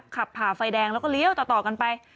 ขับผ่าไฟแดงแล้วก็เลี้ยวต่อกันไป